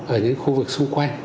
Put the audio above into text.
ở những khu vực xung quanh